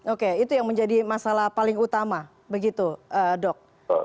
oke itu yang menjadi masalah paling utama begitu dok